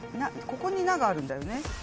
ここに「な」があるんだよね。